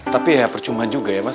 tapi ya percuma juga ya mas